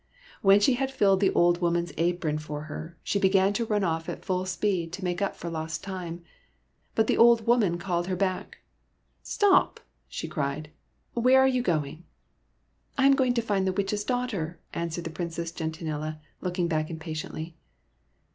When she had filled the old woman's apron for her, she began to run off at full speed, to make up for lost time. But the old woman called her back. " Stop !" she cried. " Where are you going ?"" I am going to find the Witch's daughter," answered Princess Gentianella, looking back impatiently.